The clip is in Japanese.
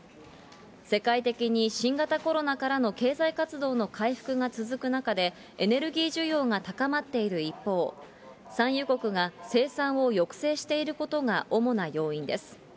世界的に新型コロナからの経済活動の回復が続く中で、エネルギー需要が高まっている一方、産油国が生産を抑制していることが主な要因です。